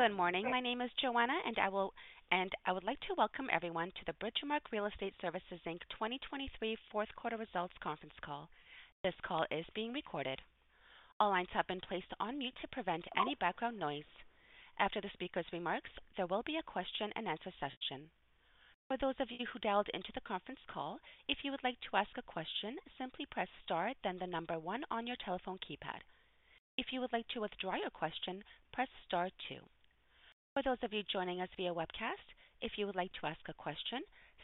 Good morning. My name is Joanna, and I would like to welcome everyone to the Bridgemarq Real Estate Services Inc. 2023 fourth quarter results conference call. This call is being recorded. All lines have been placed on mute to prevent any background noise. After the speaker's remarks, there will be a question-and-answer session. For those of you who dialed into the conference call, if you would like to ask a question, simply press star, then the number one on your telephone keypad. If you would like to withdraw your question, press star two. For those of you joining us via webcast, if you would like to ask a question,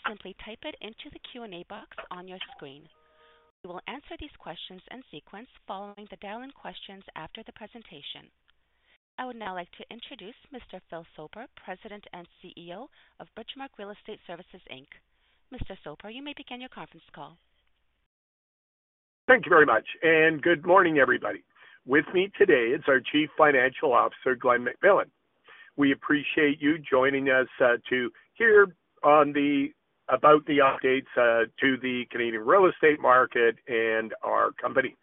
simply type it into the Q&A box on your screen. We will answer these questions in sequence following the dial-in questions after the presentation. I would now like to introduce Mr. Phil Soper, President and CEO of Bridgemarq Real Estate Services Inc. Mr. Soper, you may begin your conference call. Thank you very much, and good morning, everybody. With me today is our Chief Financial Officer, Glen McMillan. We appreciate you joining us to hear about the updates to the Canadian real estate market and our company.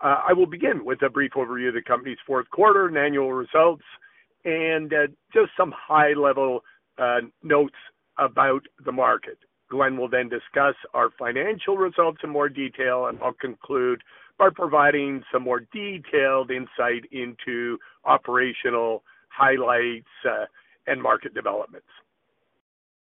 I will begin with a brief overview of the company's fourth quarter and annual results and just some high-level notes about the market. Glen will then discuss our financial results in more detail, and I'll conclude by providing some more detailed insight into operational highlights and market developments.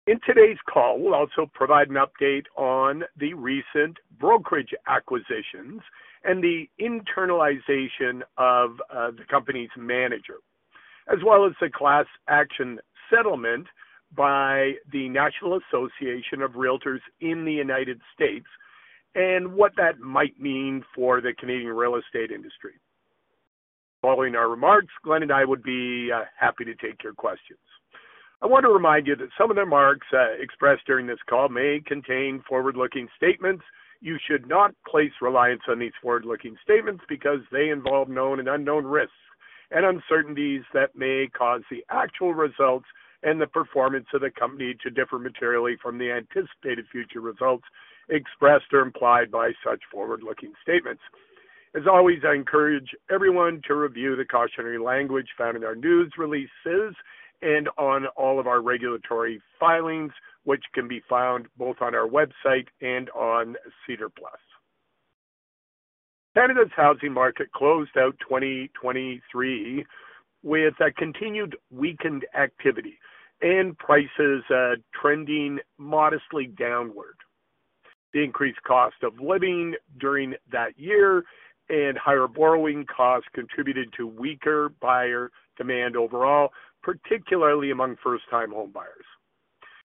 In today's call, we'll also provide an update on the recent brokerage acquisitions and the internalization of the company's manager, as well as the class action settlement by the National Association of Realtors in the United States and what that might mean for the Canadian real estate industry. Following our remarks, Glen and I would be happy to take your questions. I want to remind you that some of the remarks expressed during this call may contain forward-looking statements. You should not place reliance on these forward-looking statements, because they involve known and unknown risks and uncertainties that may cause the actual results and the performance of the company to differ materially from the anticipated future results expressed or implied by such forward-looking statements. As always, I encourage everyone to review the cautionary language found in our news releases and on all of our regulatory filings, which can be found both on our website and on SEDAR+. Canada's housing market closed out 2023 with a continued weakened activity and prices trending modestly downward. The increased cost of living during that year and higher borrowing costs contributed to weaker buyer demand overall, particularly among first-time homebuyers.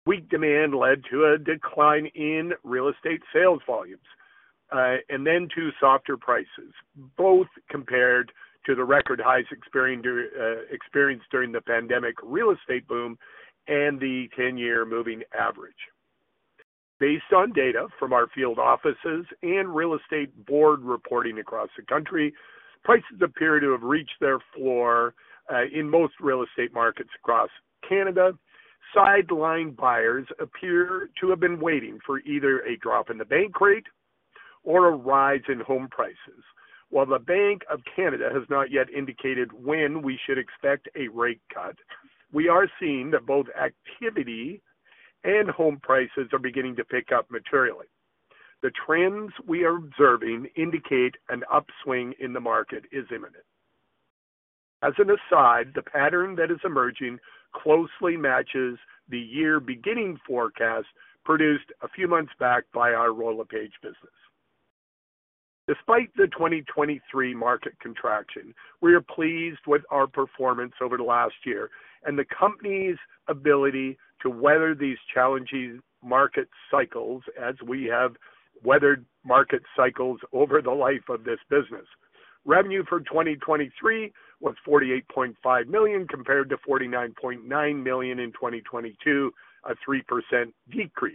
Weak demand led to a decline in real estate sales volumes, and then to softer prices, both compared to the record highs experienced during the pandemic real estate boom and the 10-year moving average. Based on data from our field offices and real estate board reporting across the country, prices appear to have reached their floor, in most real estate markets across Canada. Sideline buyers appear to have been waiting for either a drop in the bank rate or a rise in home prices. While the Bank of Canada has not yet indicated when we should expect a rate cut, we are seeing that both activity and home prices are beginning to pick up materially. The trends we are observing indicate an upswing in the market is imminent. As an aside, the pattern that is emerging closely matches the year beginning forecast, produced a few months back by our Royal LePage business. Despite the 2023 market contraction, we are pleased with our performance over the last year and the company's ability to weather these challenging market cycles as we have weathered market cycles over the life of this business. Revenue for 2023 was 48.5 million, compared to 49.9 million in 2022, a 3% decrease.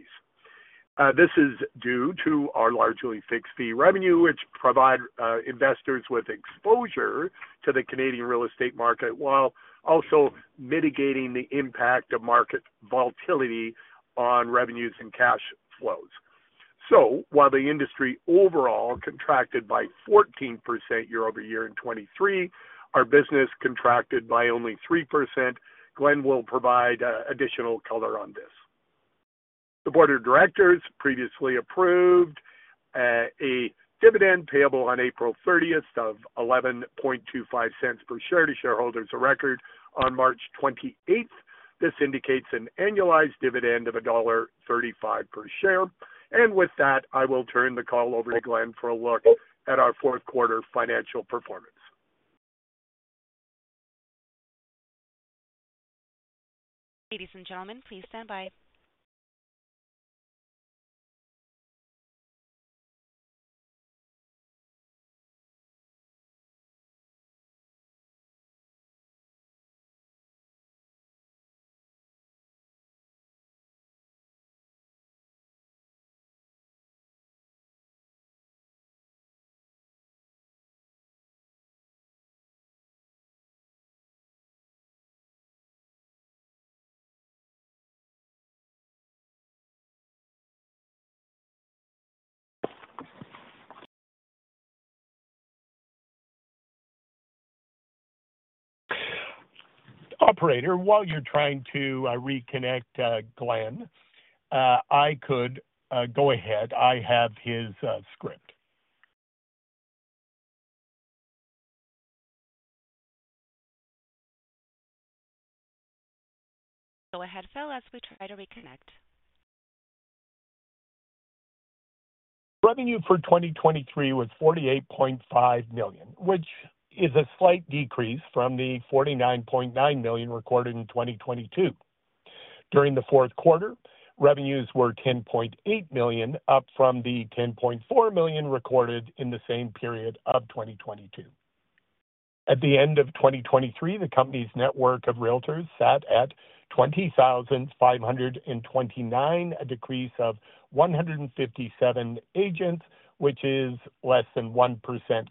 This is due to our largely fixed fee revenue, which provide investors with exposure to the Canadian real estate market, while also mitigating the impact of market volatility on revenues and cash flows. So while the industry overall contracted by 14% year-over-year in 2023, our business contracted by only 3%. Glen will provide additional color on this. The board of directors previously approved a dividend payable on April 30th of 0.1125 per share to shareholders of record on March 28th. This indicates an annualized dividend of dollar 1.35 per share. And with that, I will turn the call over to Glen for a look at our fourth quarter financial performance. Ladies and gentlemen, please stand by. ... Operator, while you're trying to reconnect, Glen, I could go ahead. I have his script. Go ahead, Phil, as we try to reconnect. Revenue for 2023 was 48.5 million, which is a slight decrease from the 49.9 million recorded in 2022. During the fourth quarter, revenues were 10.8 million, up from the 10.4 million recorded in the same period of 2022. At the end of 2023, the company's network of realtors sat at 20,529, a decrease of 157 agents, which is less than 1%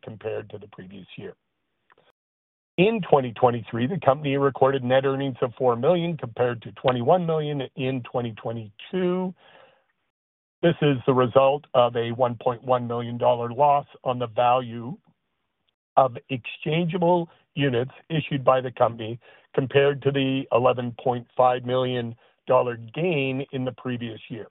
compared to the previous year. In 2023, the company recorded net earnings of 4 million, compared to 21 million in 2022. This is the result of a 1.1 million dollar loss on the value of exchangeable units issued by the company, compared to the 11.5 million dollar gain in the previous year.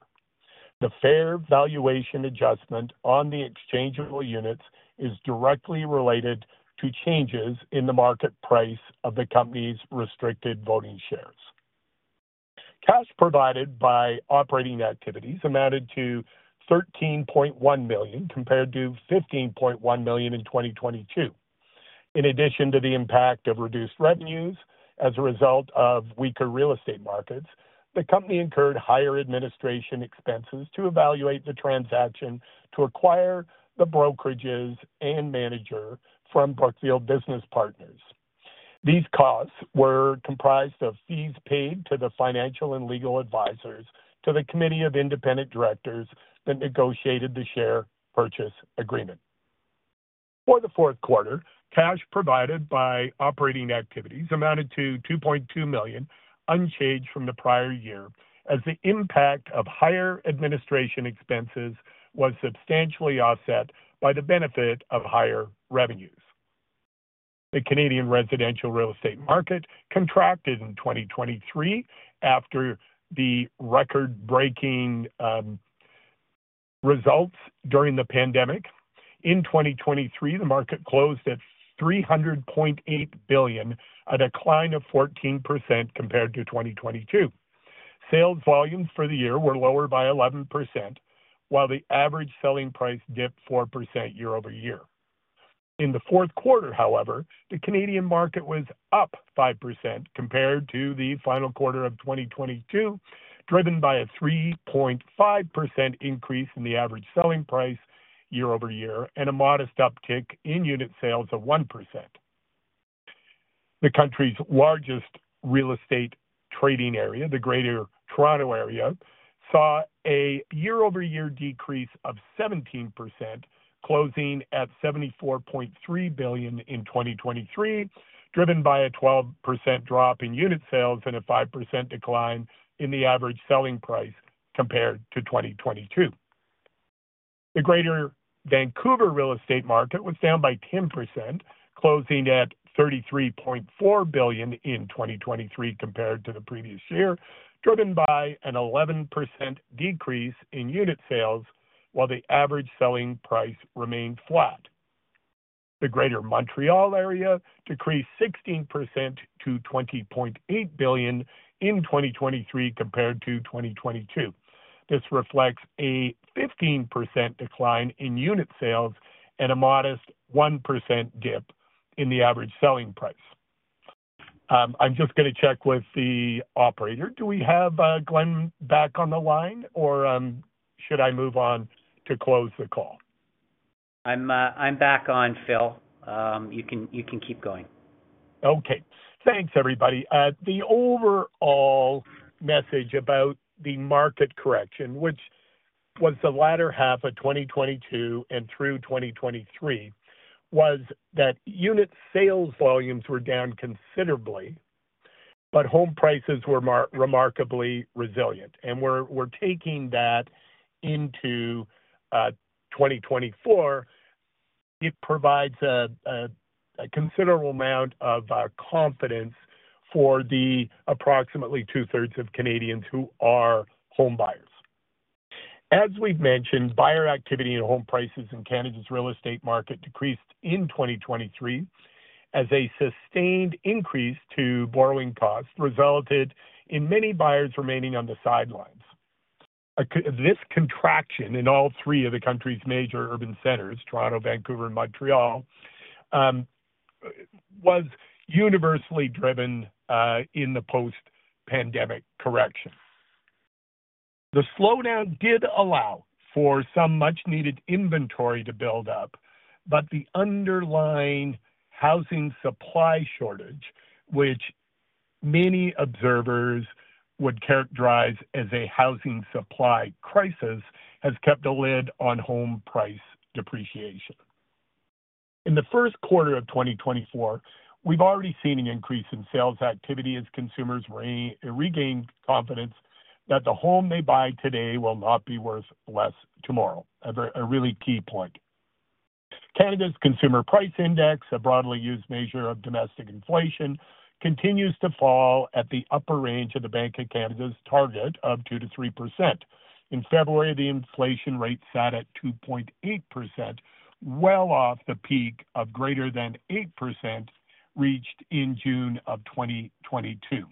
The fair valuation adjustment on the exchangeable units is directly related to changes in the market price of the company's restricted voting shares. Cash provided by operating activities amounted to 13.1 million, compared to 15.1 million in 2022. In addition to the impact of reduced revenues as a result of weaker real estate markets, the company incurred higher administration expenses to evaluate the transaction to acquire the brokerages and manager from Brookfield Business Partners. These costs were comprised of fees paid to the financial and legal advisors, to the committee of independent directors that negotiated the share purchase agreement. For the fourth quarter, cash provided by operating activities amounted to 2.2 million, unchanged from the prior year, as the impact of higher administration expenses was substantially offset by the benefit of higher revenues. The Canadian residential real estate market contracted in 2023 after the record-breaking results during the pandemic. In 2023, the market closed at 300.8 billion, a decline of 14% compared to 2022. Sales volumes for the year were lower by 11%, while the average selling price dipped 4% year-over-year. In the fourth quarter, however, the Canadian market was up 5% compared to the final quarter of 2022, driven by a 3.5% increase in the average selling price year-over-year, and a modest uptick in unit sales of 1%. The country's largest real estate trading area, the Greater Toronto Area, saw a year-over-year decrease of 17%, closing at CAD 74.3 billion in 2023, driven by a 12% drop in unit sales and a 5% decline in the average selling price compared to 2022. The Greater Vancouver real estate market was down by 10%, closing at 33.4 billion in 2023 compared to the previous year, driven by an 11% decrease in unit sales, while the average selling price remained flat. The Greater Montreal Area decreased 16% to 20.8 billion in 2023 compared to 2022. This reflects a 15% decline in unit sales and a modest 1% dip in the average selling price. I'm just going to check with the operator. Do we have, Glen back on the line or, should I move on to close the call? I'm back on, Phil. You can keep going. Okay. Thanks, everybody. The overall message about the market correction, which was the latter half of 2022 and through 2023, was that unit sales volumes were down considerably, but home prices were remarkably resilient, and we're taking that into 2024. It provides a considerable amount of confidence for the approximately 2/3 of Canadians who are homebuyers. As we've mentioned, buyer activity and home prices in Canada's real estate market decreased in 2023 as a sustained increase to borrowing costs resulted in many buyers remaining on the sidelines. This contraction in all three of the country's major urban centers, Toronto, Vancouver, and Montreal, was universally driven in the post-pandemic correction. The slowdown did allow for some much-needed inventory to build up, but the underlying housing supply shortage, which many observers would characterize as a housing supply crisis, has kept a lid on home price depreciation. In the first quarter of 2024, we've already seen an increase in sales activity as consumers regain confidence that the home they buy today will not be worth less tomorrow. A really key point.... Canada's Consumer Price Index, a broadly used measure of domestic inflation, continues to fall at the upper range of the Bank of Canada's target of 2%-3%. In February, the inflation rate sat at 2.8%, well off the peak of greater than 8%, reached in June of 2022.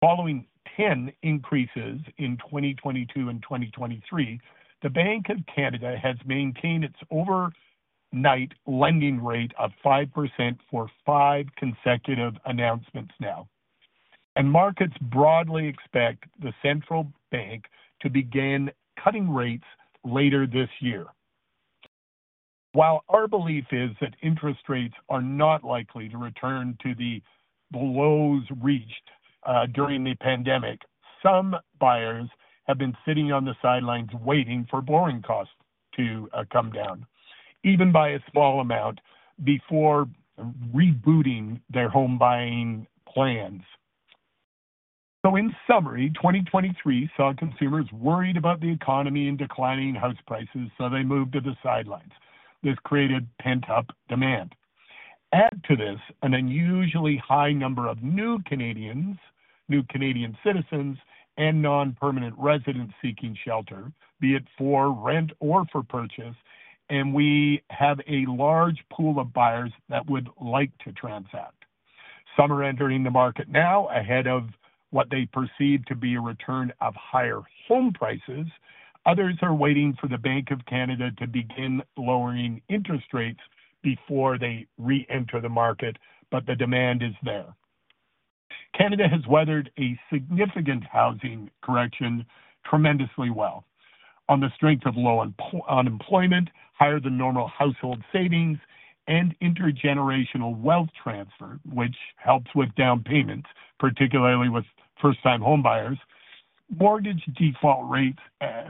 Following 10 increases in 2022 and 2023, the Bank of Canada has maintained its overnight lending rate of 5% for five consecutive announcements now, and markets broadly expect the central bank to begin cutting rates later this year. While our belief is that interest rates are not likely to return to the lows reached during the pandemic, some buyers have been sitting on the sidelines waiting for borrowing costs to come down, even by a small amount, before rebooting their home buying plans. In summary, 2023 saw consumers worried about the economy and declining house prices, so they moved to the sidelines. This created pent-up demand. Add to this an unusually high number of new Canadians, new Canadian citizens and non-permanent residents seeking shelter, be it for rent or for purchase, and we have a large pool of buyers that would like to transact. Some are entering the market now ahead of what they perceive to be a return of higher home prices. Others are waiting for the Bank of Canada to begin lowering interest rates before they reenter the market, but the demand is there. Canada has weathered a significant housing correction tremendously well. On the strength of low unemployment, higher than normal household savings and intergenerational wealth transfer, which helps with down payments, particularly with first-time homebuyers. Mortgage default rates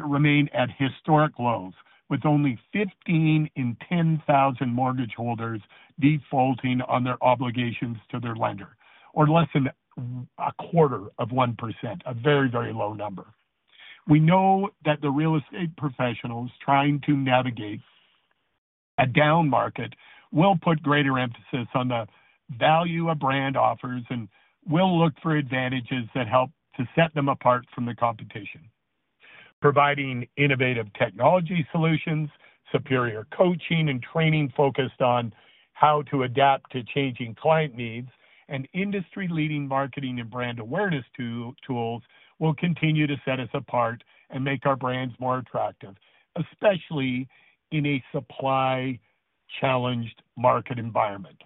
remain at historic lows, with only 15 in 10,000 mortgage holders defaulting on their obligations to their lender, or less than a quarter of 1%. A very, very low number. We know that the real estate professionals trying to navigate a down market will put greater emphasis on the value a brand offers and will look for advantages that help to set them apart from the competition. Providing innovative technology solutions, superior coaching and training focused on how to adapt to changing client needs and industry-leading marketing and brand awareness tools will continue to set us apart and make our brands more attractive, especially in a supply-challenged market environment.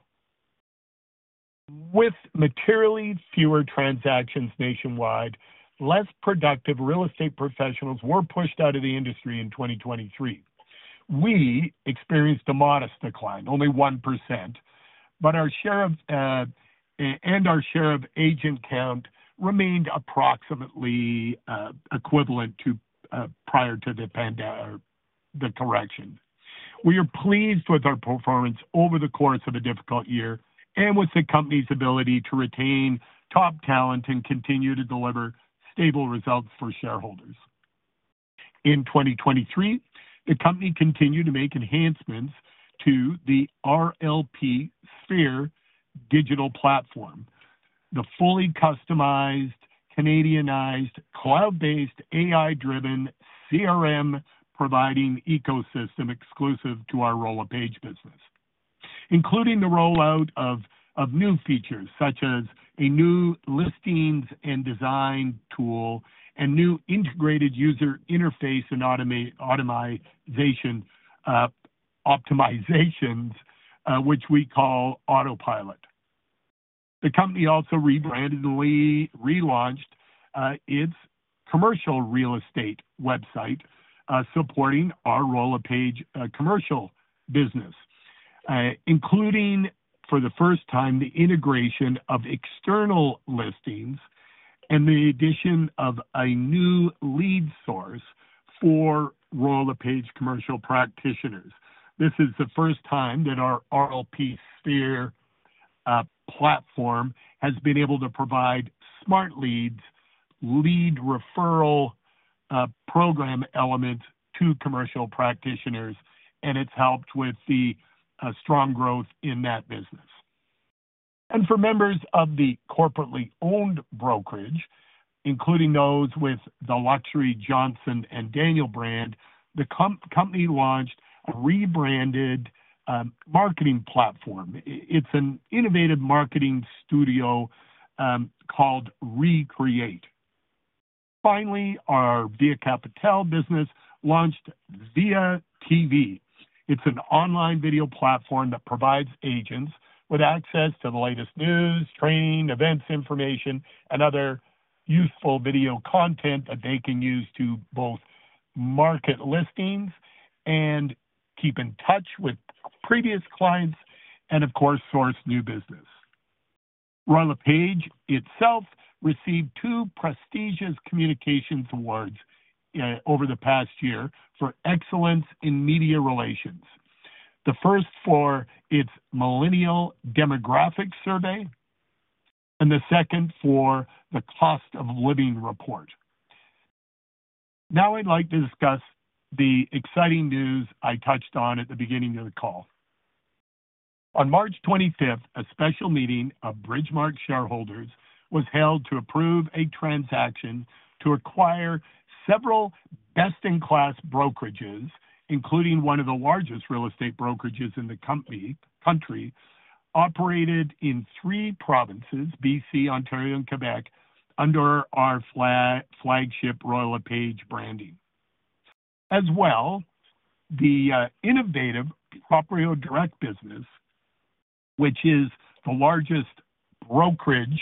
With materially fewer transactions nationwide, less productive real estate professionals were pushed out of the industry in 2023. We experienced a modest decline, only 1%, but our share of agent count remained approximately equivalent to prior to the pandemic or the correction. We are pleased with our performance over the course of a difficult year and with the company's ability to retain top talent and continue to deliver stable results for shareholders. In 2023, the company continued to make enhancements to the rlpSPHERE digital platform, the fully customized, Canadianized, cloud-based, AI-driven CRM, providing ecosystem exclusive to our Royal LePage business, including the rollout of new features such as a new listings and design tool and new integrated user interface and automation optimizations, which we call Autopilot. The company also rebranded and relaunched its commercial real estate website supporting our Royal LePage Commercial business, including, for the first time, the integration of external listings and the addition of a new lead source for Royal LePage Commercial practitioners. This is the first time that our rlpSPHERE platform has been able to provide Smart Leads, lead referral program elements to commercial practitioners, and it's helped with the strong growth in that business. For members of the corporately owned brokerage, including those with the luxury Johnston & Daniel brand, the company launched a rebranded marketing platform. It's an innovative marketing studio called Recreate. Finally, our Via Capitale business launched ViaTV. It's an online video platform that provides agents with access to the latest news, training, events information and other useful video content that they can use to both market listings and keep in touch with previous clients and of course, source new business. Royal LePage itself received two prestigious communications awards over the past year for excellence in media relations. The first for its Millennial Demographic Survey, and the second for the Cost of Living Report. Now I'd like to discuss the exciting news I touched on at the beginning of the call. On March 25th, a special meeting of Bridgemarq shareholders was held to approve a transaction to acquire several best-in-class brokerages, including one of the largest real estate brokerages in the country, operated in three provinces, BC, Ontario, and Quebec, under our flagship Royal LePage branding. As well, the innovative Proprio Direct business, which is the largest brokerage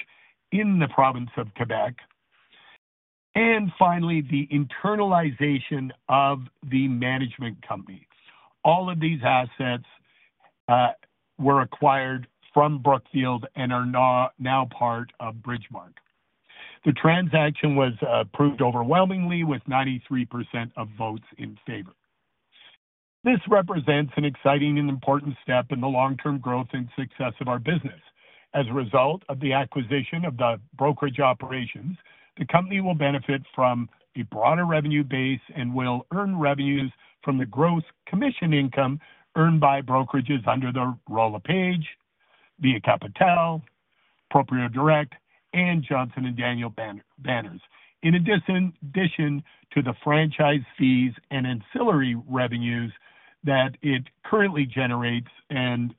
in the province of Quebec, and finally, the internalization of the management company. All of these assets were acquired from Brookfield and are now part of Bridgemarq. The transaction was approved overwhelmingly, with 93% of votes in favor. This represents an exciting and important step in the long-term growth and success of our business. As a result of the acquisition of the brokerage operations, the company will benefit from a broader revenue base and will earn revenues from the gross commission income earned by brokerages under the Royal LePage, Via Capitale, Proprio Direct, and Johnston & Daniel banners. In addition to the franchise fees and ancillary revenues that it currently generates and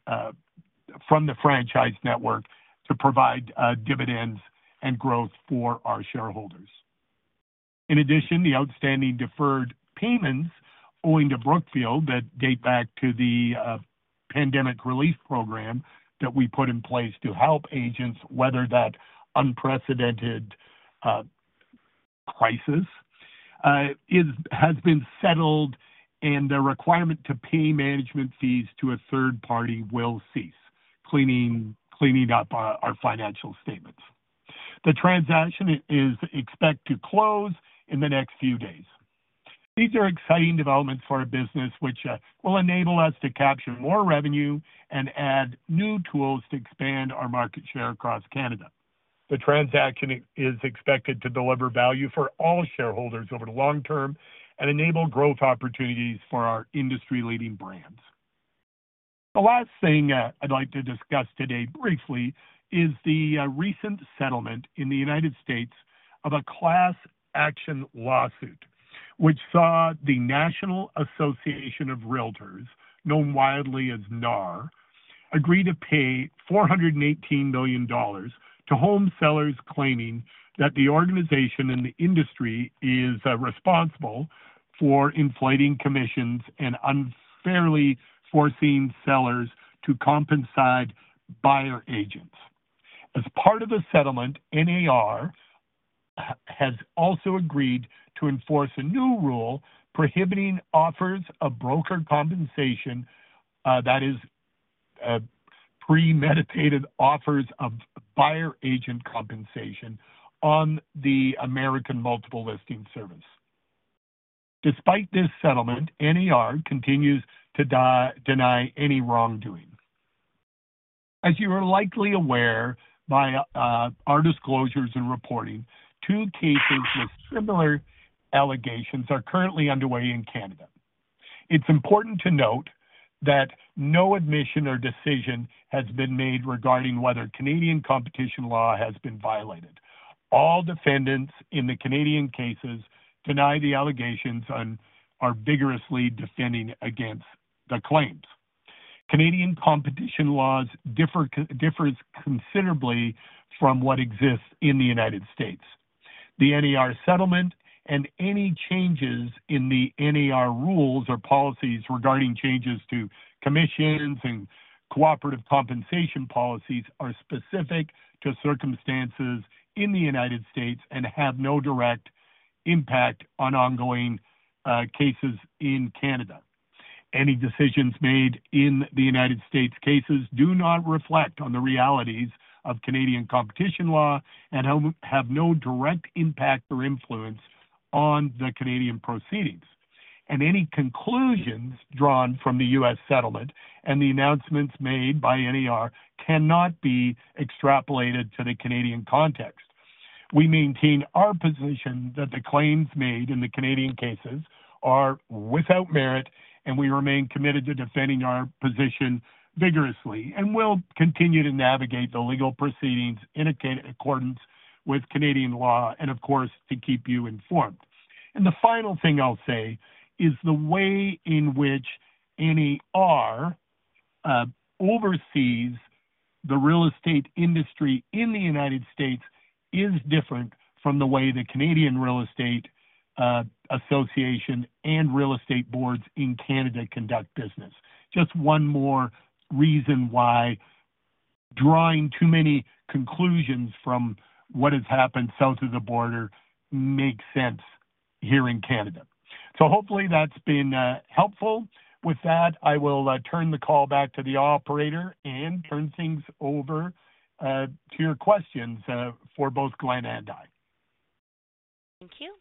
from the franchise network to provide dividends and growth for our shareholders. In addition, the outstanding deferred payments owing to Brookfield that date back to the pandemic relief program that we put in place to help agents weather that unprecedented crisis has been settled, and the requirement to pay management fees to a third party will cease, cleaning up our financial statements. The transaction is expected to close in the next few days. These are exciting developments for our business, which will enable us to capture more revenue and add new tools to expand our market share across Canada. The transaction is expected to deliver value for all shareholders over the long term and enable growth opportunities for our industry-leading brands. The last thing I'd like to discuss today briefly is the recent settlement in the United States of a class action lawsuit, which saw the National Association of Realtors, known widely as NAR, agree to pay 418 million dollars to home sellers, claiming that the organization and the industry is responsible for inflating commissions and unfairly forcing sellers to compensate buyer agents. As part of the settlement, NAR has also agreed to enforce a new rule prohibiting offers of broker compensation, that is, premeditated offers of buyer agent compensation on the American Multiple Listing Service. Despite this settlement, NAR continues to deny any wrongdoing. As you are likely aware, by our disclosures and reporting, two cases with similar allegations are currently underway in Canada. It's important to note that no admission or decision has been made regarding whether Canadian competition law has been violated. All defendants in the Canadian cases deny the allegations and are vigorously defending against the claims. Canadian competition laws differs considerably from what exists in the United States. The NAR settlement and any changes in the NAR rules or policies regarding changes to commissions and cooperative compensation policies are specific to circumstances in the United States and have no direct impact on ongoing cases in Canada. Any decisions made in the United States cases do not reflect on the realities of Canadian competition law and have no direct impact or influence on the Canadian proceedings. Any conclusions drawn from the U.S. settlement and the announcements made by NAR cannot be extrapolated to the Canadian context. We maintain our position that the claims made in the Canadian cases are without merit, and we remain committed to defending our position vigorously, and we'll continue to navigate the legal proceedings in accordance with Canadian law and, of course, to keep you informed. The final thing I'll say is the way in which NAR oversees the real estate industry in the United States is different from the way the Canadian Real Estate Association and real estate boards in Canada conduct business. Just one more reason why drawing too many conclusions from what has happened south of the border makes sense here in Canada. Hopefully that's been helpful. With that, I will turn the call back to the operator and turn things over to your questions for both Glen and I. Thank you.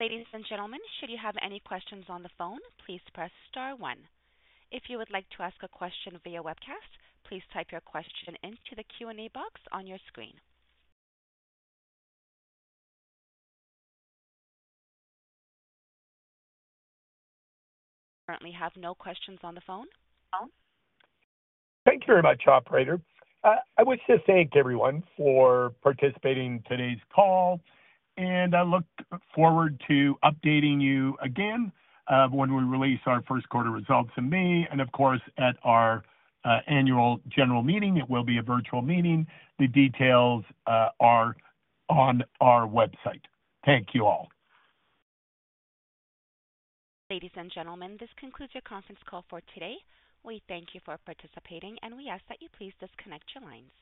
Ladies and gentlemen, should you have any questions on the phone, please press star one. If you would like to ask a question via webcast, please type your question into the Q&A box on your screen. Currently have no questions on the phone. Thank you very much, operator. I wish to thank everyone for participating in today's call, and I look forward to updating you again when we release our first quarter results in May, and of course, at our annual general meeting. It will be a virtual meeting. The details are on our website. Thank you all. Ladies and gentlemen, this concludes your conference call for today. We thank you for participating, and we ask that you please disconnect your lines.